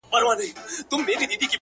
دا چي د سونډو د خـندا لـه دره ولـويــږي؛